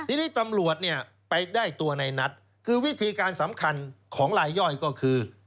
ทีนี้ตำรวจเนี่ยไปได้ตัวในนัทคือวิธีการสำคัญของลายย่อยก็คือ